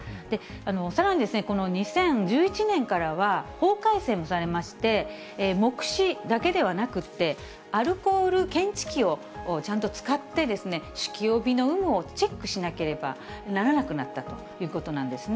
さらにこの２０１１年からは、法改正もされまして、目視だけではなくって、アルコール検知器をちゃんと使って、酒気帯びの有無をチェックしなければならなくなったということなんですね。